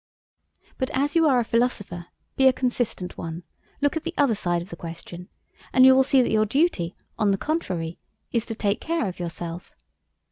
"But as you are a philosopher, be a consistent one, look at the other side of the question and you will see that your duty, on the contrary, is to take care of yourself.